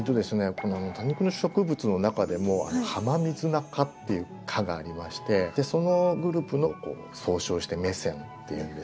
この多肉植物の中でもハマミズナ科っていう科がありましてそのグループを総称してメセンっていうんですね。